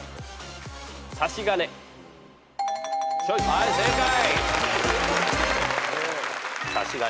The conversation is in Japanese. はい正解。